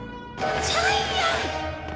ジャイアン！